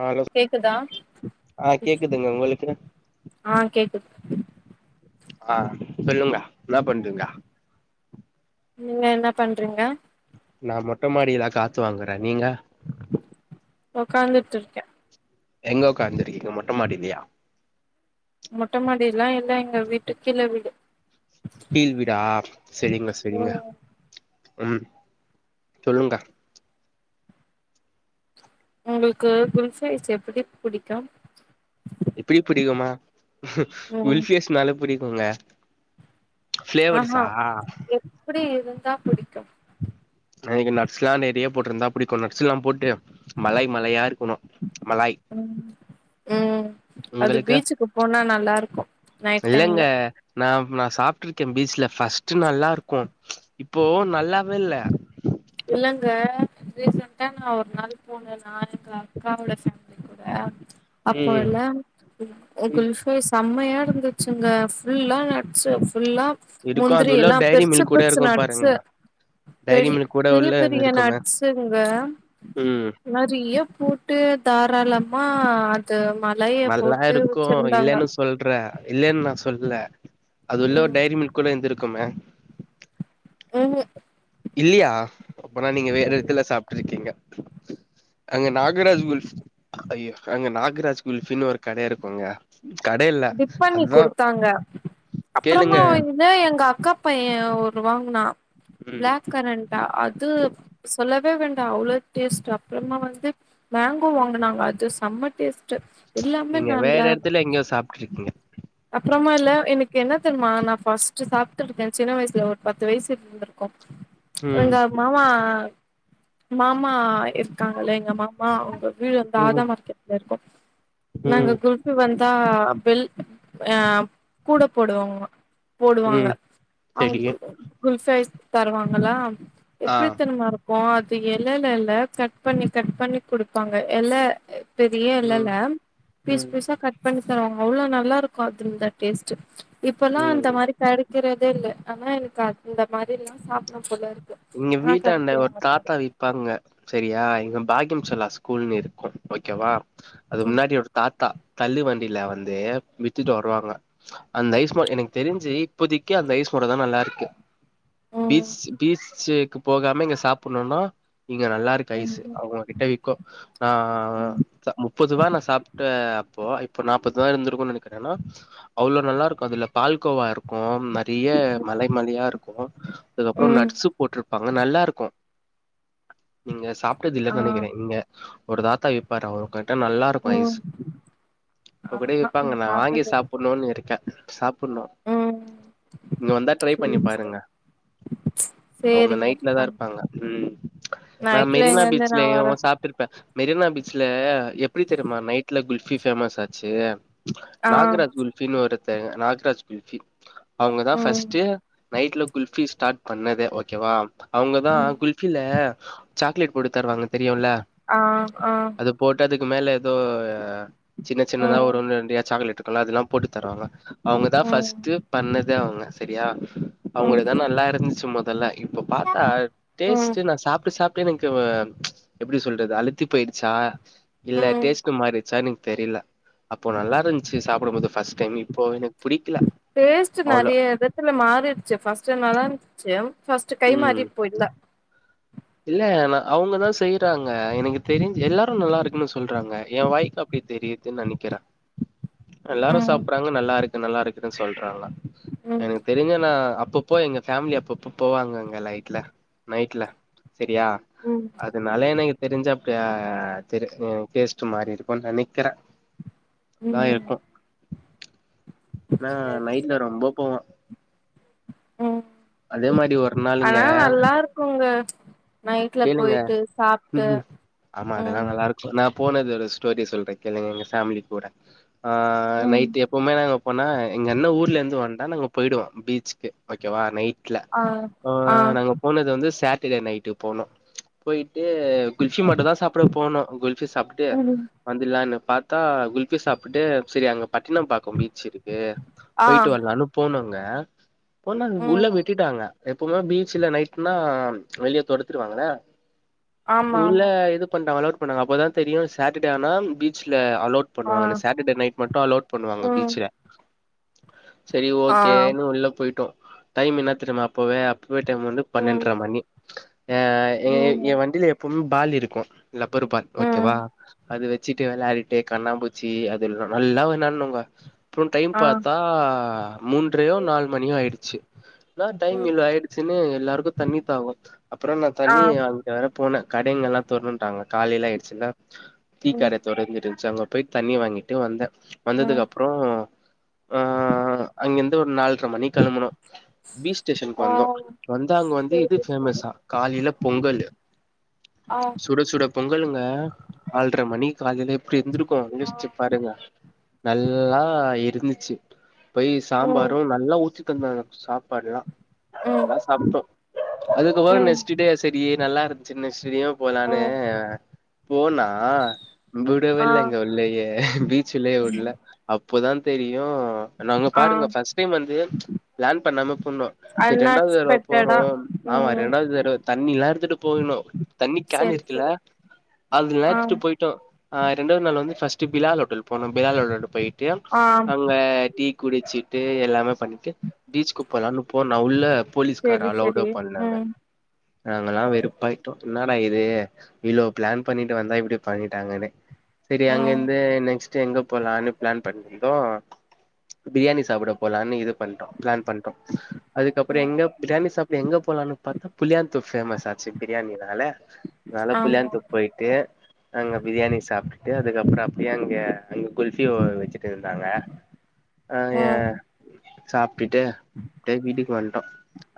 ஆ hello கேக்குதா ஆ கேக்குதுங்க உங்களுக்கு ஆ சொல்லுங்க என்ன பண்றீங்க நீங்க என்ன பண்றீங்க நா மொட்ட மாடில காத்து வாங்குறே நீங்க ஒக்காந்துட்டுருக்கே எங்க ஒக்காந்துருக்கீங்க மொட்ட மாடிலயா மொட்டமாடில்லா இல்ல எங்க வீட்டு கீழ வீடு கீழ்வீடா செரிங்க செரிங்க ம் ம் சொல்லுங்க உங்களுக்கு குல்ஃபி ஐஸ் எப்டி புடிக்கு எப்பிடி புடிக்குமா ம் குல்ஃபி ஐஸ்னாலே புடிக்குங்க ஃப்ளேவர்ஸா ப்டி இருந்தா புடிக்கு எனக்கு நட்ஸ்லா நெறைய போட்ருந்தா புடிக்கு நட்ஸ்லா போட்டு மலை மலையா ருக்குணு மலாய் ம் ம் அது உங்களுக்கு பீச்சுக்கு போனா நல்லாருக்கு நைட் இல்லங்க டைம்ல நா நா சாப்ட்ருக்கே பீச்ல ஃபஸ்ட்டு நல்லாருக்கு இப்போ நல்லாவே இல்ல இல்லங்க ரீசென்ட்டா நா ஒரு நாள் போனே நானு எங்க அக்காவோட ஃபேமிலி கூட ம் அப்போல்ல குல் அ ம் குல்ஃப் ஐஸ் செம்மையா இருந்துச்சுங்க ஃபுல்லா நட்ஸு ஃபுல்லா இருக்கு அது முந்திரி உள்ள எல்லா டைரி பெருசு மில்க் கூட பெருசு இருக்கு பாருங்க நட்ஸு டைரி பெரி மில்க் கூட பெரிய உள்ள பெரிய இருக்குமே நட்ஸுங்க ம் நெறைய போட்டு தாராளமா து மலை நல்லாருக்கு இல்லேன்னு சொல்ற இல்லேன் நா சொல்லல அது உள்ள ஒரு ம் டைரி மில்க் கூட இருந்துருக்குமே ஹு ஹும் இல்லியா அப்பன்னா நீங்க ம் வேற எடத்துல சாப்ட்ருக்கீங்க அங்க நாகராஜ் குல்ஃப் ஐயோ அங்க நாகராஜ் குல்ஃபின்னு ஒரு கட இருக்குங்க கட இல்ல டிப்பண்ணி அதுதா குடுத்தாங்க கேளுங்க அப்பறமா வந் தா எங்க அக்காப் பையே ஒன்னு வாங்குனா ம் பிளாக் கரன்டா அது சொல்லவே வேண்டா அவ்ளோ டேஸ்ட்டு அப்றமா வந்து மேங்கோ வாங்குனாங்க அது செம்ம டேஸ்ட்டு எல்லாமே நல்லா இருந்துச்சு உள்ளே அப்றமா இல்ல எனக்கு என்ன தெர்மா நா ஃபஸ்ட்டு சாப்ட்டுருக்கே சின்ன வயசுல ஒரு பத்து வயசு வந்துருக்கு ம் எங்க மாமா மாமா இருக்காங்கலே எங்க மாம் மா அவுங்க வீடு வந்து ம் தாதா மார்க்கெட்ல இருக்கு நாங்க ம் குல்ஃபி வந்தா பெல் ஏ கூட போடுவோங்க போடுவாங்க ம் அவுங் செரி கூ குல்ஃபி ஐஸ் தருவாங்களா ஆ எப்டித்தெரிமா இருக் கோ அது எலல்லல கட் பண்ணி கட் பண்ணி குடுப்பாங்க எல பெரிய எலல ம் பீஸ் ம் பீஸா கட் பண்ணி தருவாங்க அவ்ளோ நல்லாருக்கு அதுல்ல டேஸட்டு இப்பல்லா ம் அந்த மாரி கெடைக்கிறதேல்ல ஆனா எனக் கு அந்த மாரில்லா சாப்புனு போலருக் இங்க வீட்டாண்ட ஒரு தாத்தா விப் பாங்க செரியா இங்க பாக்கியம் செல்லா ஸ்கூல்ன்னு இருக்கு ஓகேவா அது ம் முன்னாடி ஒரு தாத்தா தள்ளு வண்டில வந்து வித்துட்டு வருவாங்க அந்த ஐஸ் பா எனக் தெரிஞ்சு இப்போதைக்கு அந்த ஐஸ் மட்டுந்தா நல்லாருக்கு ம் பீச் பீச்வேக்கு போகாம இங்க சாப்புன்னுன்னா இங்க நல்லாருக் ஐசு ம் அவுங்ககிட்ட விக்கு நா த முப்பதுவா நா சாப்ட்ட அப்போ இப்போ நாப்பதுவா இந்துருக்கு நெனக்கிற ஏனா அவ்ளோ நல்லாருக்கு அதுல பால்கோவாருக்கு நெறிய மலய் மலயா இருக்கு அதுக்கப்றோ ம் நட்ஸு போட்ருப்பாங்க நல்லாருக்கு நீங்க சாப்ட்டதில்லன் ஆ நெனைக்கிறே இங்க ஒரு தாத்தா விப்பாரு அவுரு கர்ட்டா நல்லார் டுக் ம் ஐஸ் இப்பக்கூட ஆஹா விப்பாங்க நா வாங்கி சாப்ட்டதில்ல சாப்புனூன் இருக்கே சாப்புன்னு ம் இங்க வந்தா ட்ரை பண்ணி சேரி பாருங்க சேரி அவுங்க சேரிங்க நைட்ல தா பண்றோ இருப்பாங்க ம் நா நைட்ல மெரினா எங்கருந்து நா வரே பீச்லயு சாப் ட்டுருப்ப மெரினா பீச்ல எப்டி தெரிமா நைட்ல குல்ஃபி ஃபேமஸ் ஆச்சு ஆ நாகராஜ் குல்ஃபின் ஒருத்தங்க நாகராஜ் குல்ஃபி அவுங்கதா ம் ஃபஸ்ட்டு நைட்ல குல்ஃபி ஸ்டாட் பண்ணதே ஓகேவா அவுங்கதா ம் குல் ஃபில சாக்லேட் போட்டு தருவாங்க தெரியுல ஆ ஆ அது போட்டு அதுக்கு மேலே எதோ சின்ன சின்னதா ம் ஒரு உருண்டியா சாக்கலேட் இருக்குல அதுல்லா போட்டு தருவாங்க அவுங்கதா ம் ஃபஸ்ட்டு பண்ணதே அவுங்க செரியா ம் அவுங்கிடதா நல்லாருந் ச்சு மொதல்ல இப்போ பாத்தா ம் டேஸ்ட்டு நா சாப்ட்டு சாப் ட்டு எனக்கு ஒ அ எப்டி சொல்றது அலுத்து போயிடுச்சா இல்ல ம் டேஸ்ட்டு மாறிச்சா எனக் தெரில அப்போ நல்லாருந்ச்சு சாப்புடும்போது ஃபஸ்ட் டைம் இப்போ எனக் புடிக்கில அவ்ளோ இல்ல மாறிட்ச்சு ஃபஸ்ட்டு நல்லாருந்ச்சு ஃபஸ்ட் கை மாறி ம் இப்போ இல்ல இல்ல நா அவுங்கதா செய்றாங்க எனக்கு தெரிஞ் எல்லாரு நல்லாருக்குன்னு சொல்றாங்க எ வாய்க்கப் டி தெரிதுன் நெனக்கிறே எல்லாரு ம் சாப்றாங்க நல்லாருக்கு நல்லாருக்குதுன் சொல்றாங்க ம் எனக்கு தெரிஞ்ச நா அப்பப்போ எங்க ஃபேமிலி அப்பப்ப போவாங்கங் க லைட்ல நைட்ல செரியா ம் அதனால எனக்கு தெரிஞ்ச அப்டியா தெரி ம் டேஸ்ட்டு மாறிருக்குன் நெனைக்கிறே அதா ம் இருக்கு ஆனா சேரி நைட்ல சேரி ரொம்போ போவோ ம் அதே மாரி ஒரு நாளுங்க ஆனா நல்லா இருக்குங்க நைட்ல கேளுங்க போய்ட்டு சாப்ட்டு ம் நா போனதோட ஸ்டோரி சொல்றே கேளுங்க எங்க ஃபேமிலி கூட ஆ ம் நைட்டு எப்புமே நாங்க எப்போனா எங்க அண்ண ஊர்லேந்து வந்தா நாங்க போயிடுவோ பீச்சிக்கு ஓகேவா நை ட்ல ஆ அ ஆ அ நாங்க போனது வந்து சேட்டடே நைட்டு போனோ போய்ட்டு குல்ஃபி மட்டு தா சாப்புட போனோ குல்ஃபி சாப்டுட்டு ம் வந்துலானு பாத்தா குல்ஃபி சாப்ட்டுட்டு செரி அங்க பட்டினபாக்கம் பீச்சிருக்கு ஆ போய்ட்டு வர்லானு போனோங்க போனா உள்ள ம் விட்டுட்டாங்க எப்புமே பீச்சில நைட்ன்னா வெளிய தொரத்திருவாங்கள ஆமா உள்ள ஆமா இது பண்ட்டாங்க அலவ்ட் பண்ணாங்க அப்பதா தெரியு சேட்டடே ஆனா பீச்ல அலவ்ட் ஆ பண்ணுவாங்கனு சேட்டடே நைட் மட்டு அலவ்ட் பண்ணுவாங்க ம் பீச்சில செரி ஓ ஆ கேன்னு உள்ள போய்ட்டோ டைம் இன்னா தெரிமா அப்பவே ப்பவே டைம் வந்து ம் பணன்ற மணி ஏ ஏய் ம் எ வண்டில எப்பும் பால் இருக்கு லப்பர் பால் ஓ ம் கேவா அது வச் சிட்டு விளாடிட்டு கண்ணாம்பூச்சி அதுல்ல நல்லா வெளானுங்க றோ டைம் ஆ பாத்தா மூன்றையோ நால் மணி ஆயிட்ச்சு ல டைம் ம் இல்ள ஆய்ட்ச்சின்னு எல்லாருக்கு தண்ணி தாகோ அப்றோ நா ஆ தண்ணி வாய்ங்கிட்டு வர போனே கடைங்கல்லா தொரந்த்ட்டாங்க காலைல ஆயிட்ச்சில்ல ம் டீக்கட தொறந்த்ருந்துன்ச்சு அங்க போயி தண்ணிய வாங்கிட்டு வந்தே ம் வந்ததுக்கப்றோ அ அங்கிந்து ஒரு நாள் எட்ற மணி கெளம்புனோ பீச் ஸ்டேஷனுக்கு ஆ வந்தோ வந்தா அங்க வந்து இது சேரி சேரி பேமஸா இல்ல பொங்கலு ஆ ஆ சு சுட சுட பொங்கலுங்க நால்ற மணி காலைல எப்டி இருந்திருக்கு யோச்சு பாருங்க நல்லா இருந்துச்சு போயி ம் சாம்பாரு நல்லா ஊத்தி தந்தாங்க சா பட்லா ம் அதெல்லா சாப்ட்டோ அதுக்கப்பறோ ம் நெக்ஸ்ட்டு டே செரி கே நல்லாருந்துச்சு நெக்ஸ்ட்டே போலானு ம் போனா ஆ குடவேல்லங்க உள்ளயே பீச்சுள்ளயே வுட்ல அப்போதா தெரியு நாங்க ஆ பாருங்க ஃபஸ்ட் டைம் வந்து பிளான் பண்ணாம போனு செரி ரெண்டாவது தரவ போறோ அன்எக்ஸ்பெக்டடா ஆமா ம் ரெண்டாவது தரவ தண்ணில்லா எடுத்துட்டு போய்னு தண்ணி கேன் செரி இருக்குல செரி அதுல ஆ எத்துட்டு போய் அ ரெண்டது நாள் வந்து ஃபஸ்ட்டு பிலால் ஹோட்டல் போனோ பிலால் ஹோட்டல போயிட்டு ஆ அங்க டீ குடிச்சிட்டு எல்லாமே பண்ணிட்டு பீச்க்கு போலான்னு போ நா உள்ள போலீஸ்கார் செரி அலவுடே செரி பண்ணலங்க ம் நாங்கல்லா வெறுப்பாயிட்டோ என்னடா இது இளோ பிளான் பண்ணிட்டு வந்தா இப்டி பண்ணிட்டாங்கனு செரி ம் அங்கிந்து நெக்ஸ்ட் எங்க போலான்னு பிளான் பண்ணிருந்தோ பிரியாணி சாப்ட போலானு இது பண்ட்டோ பிளான் பண்ட்டோ அதுக்கப்புற எங்க பிரியாணி சாப்ட எங்க போலானு பாத் புல்யா தோப்பு பேமஸ் ஆச்சே பிரியாணி னால நானு ஆமா புல்யான்த் போயிட்டு அங்க பிரியாணி சாப்ட்டுட்டு அதுக்கப்புற அப்டியே அங்க அவிங்க குல்ஃபி வ வச்சு ட்ருந்தாங்க ஆ ஏ ம் சாப்ட்டுட்டு அப்டியே வீட்டுக்கு வந்ட்டோ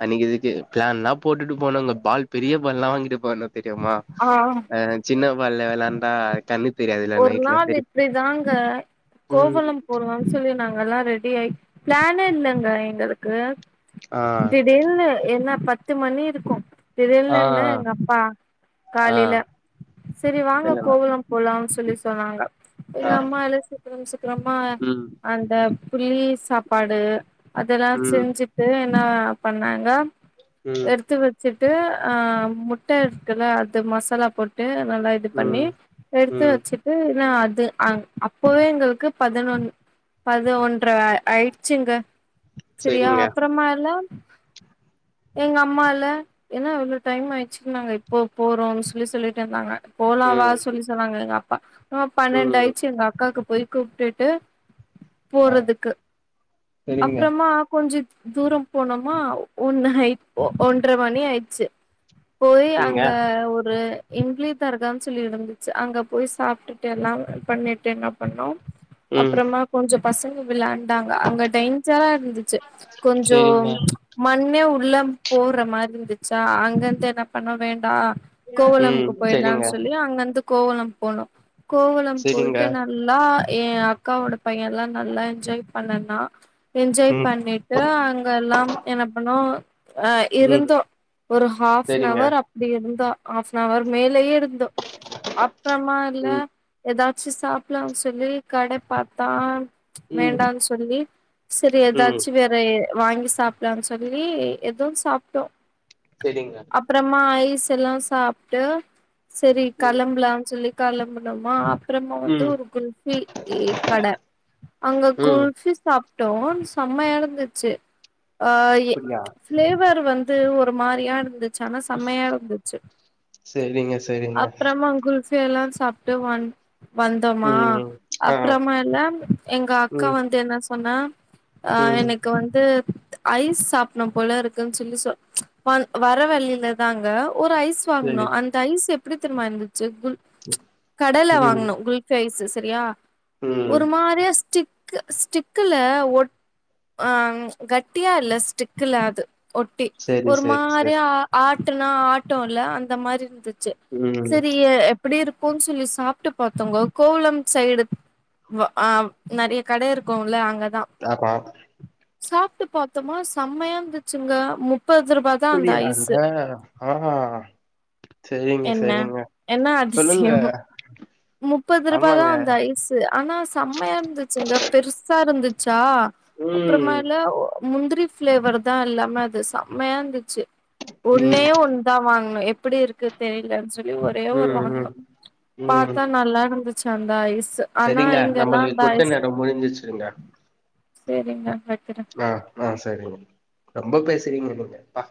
அன்னைக்கு இதுக்கு பிளான் நா போட்டுட்டு போனா அங்க பால் பெரிய பால் எல்லா வாங்கிட்டு போனு தெரியுமா ஆ அ சின்ன பால்ல வெளயாண்டா கனி ஒரு நாள் இப்டி தாங்க ம் கோவலம் ஒருவம் சொல்லி நாங்கல்லா ரெடி ஆயி பிளானே இல்லங்க எங்களுக்கு ஆ திடீர்னு என்ன பத்து மணி இருக்கு தெரியில ஆ இல்ல எங்க அப்பா ஆ காலைல செரி வாங்க சொல்லுங்க கோவல போலா சொ சொல்லி சொன்னாங்க எங்க ஆ அம்மா இல்ல சீக்கிர சீக்கிரமா ம் அந்த புள்ளி சாப்பாடு அதெல்லா ம் செஞ்சிட்டு என்ன பண்ணாங்க ம் எடுத்து விட் சிட்டு ஆ முட்ட இருக் இல்ல அது மசாலா போட்டு நல்லா இது பண்ணி ம் எடுத்து ம் வச்சிட்டு நா அது அ அப்பவே எங்களுக்கு பதினொன் பது ஒன்ற ஆ ஆய்டுச்சுங்க செரியா செரிங்க அப்புறமா எல்லா எங்க அம்மால்ல என்னா அவ்ளோ டைம் ஆயிச்சின்னாங்க இப்போ போறோ சொல்லி சொல்லிட்ருந்தாங்க போலாவா ம் சொல்லி சொன்னாங்க எங்க அப்பா ஆ ம் பணண்டாய்ச் எங்க அக்காக்கு போய் கூப்பிட்டுட்டு ஆ போறதுக்கு செரிங்க அப்புறமா கொஞ்சம் தூரம் போனோமா ஒன்னு ஒன்றரை மணி ஆயிடுச்சு போய் ங்க அங்க ஒரு இம்லி தர்கான்னு சொல்லி இருந்துச்சு அங்க போய் சாப்பிட்டுட்டு எல்லாம் பண்ணிட்டு என்ன பண்ணோம் ம் அப்புறம் கொஞ்சம் பசங்க விளயாண்டாங்க அங்க டேஞ்சரா இருந்துச்சு கொஞ்சம் செரிங்க மண்ணே உள்ளே போடுற மாதிரி இருந்துச்சா அங்கிருந்து என்ன பண்ணோ வேண்டாம் ம் கோவளமுக்கு போயிடலாம்னு செரிங்க சொல்லி அங்கந்து கோவளம் போணோம் கோவளம் செரிங்க போயிட்டு ந எல்லா என் அக்காவோட பையன் எல்லாம் நல்லா என்ஜாய் பண்ணனா என்ஜாய் ம் பண்ணிட்டு ஏ அங்க எல்லாம் என்ன பண்ணோம் ஹ ம் இருந்தோம் ஒரு ஹாஃப் அன் செரிங்க ஹவர் அப்படி இருந்தோம் ஹாஃப் அன் ஹவர் மேலயே இருந்தோம் அப்புறமா இல்ல ம் ஏதாச்சும் சாப்பலாம்னு சொல்லி கடை பார்த்தா ம் வேண்டாம்னு சொல்லி சரி ம் ஏதாச்சு வேற வாங்கி சாப்பலான்னு சொல்லி எதுவும் சாப்பிட்டோ சரிங்க அப்புறமா ஐஸ் எல்லாம் சாப்பிட்டு சரி ம் கிளம்புலா சொல்லிக்கிளம்புனமா அப்புறமா வந்து ம் ஒரு குல்ஃபி இ கடை அங்க ம் குல்ஃபி சாப்பிட்டோம் செம்மயா இருந்துச்சு ஆ யே அப்டியா பிளேவர் வந்து ஒரு மாதிரியா இருந்துச்ச ஆனா செமையா இருந்துச்சு செரிங்க செரிங்க அப்புறமா கு குல்ஃபி எல்லாம் சாப்பிட்டு வ வந்தோமா ம் ஆ அப்புறமால்ல எங்க அக் அக்கா ம் வந்து என்ன சொன்னா அஹ் ம் எனக்கு வந்து ஐஸ் சாப்பிடனும் போல இருக்குன்னு சொல்லி சொ வர வழியில தாங்க ஒரு ஐஸ் செரி வாங்கணோம் அந்த ஐஸ் எப்படி தெரியுமா இருந்துச்சு கு கடைல ம் வாங்கணோம் குல்ஃபி ஐஸ் சரியா ம் ஒரு மாதிரிய சிக் ஸ ஸ்டிக்குல ஒட் ஹ கட்டியா இல்லை ஸ்டிக்குல அது ஒட்டி செரி ஒரு செரி செரி மாதிரியா ஆட்டுனா ஆட்டும் இல்ல அந்த மாதிரி இருந்துச்சு ம் சரி எப்படி இருக்கும்ன்னு சொல்லி சாப்பிட்டு பார்த்தோங்கோ கோவளம் சைடு ஆ நிறைய கடை இருக்குமில்ல அங்க தான் ஆமாம் சாப்பிட்டு பார்த்தோமா செம்மையா இருந்துச்சுங்க முப்பது ரூபாய் அப்படியா அ ஆ சேரிங்க என்ன சேரிங்க என்ன சொல்லுங்க அதிசயோ முப்பது ரூபா ஆமாங்க தான் அந்த ஐஸ் ஆனா செம்மையா இருந்துச்சுங்க பெருசா இருந்துச்சா ம் அப்புறமேல முந்திரி ஃபிளேவர் தான் எல்லாமே அது செம்மையா இருந்துச்சு ம் ஒண்ணே ஒண்ணு நான் வாங்கணே எப்படி இருக்கு தெரியலேன்னு சொல்லி ஒரே ஒரு ம் ம் வாங்கணோம் ம் பார்த்தா நல்லா இருந்துச்சு சந்தாய்சு சரிங்க நம்மளுக்கு குடுத்த நேரம் முடிஞ்சிருச்சிங்க சரிங்க வைக்கறேன் ஆ ஆ சரிங்க ரொம்ப பேசுறீங்க நீங்க அப்பா